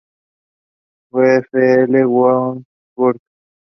Polly Morgan served as the cinematographer.